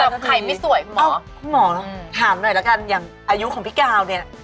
ใครไม่สวยคุณหมอคุณหมอถามหน่อยละกันอย่างอายุของพี่กาวเนี่ย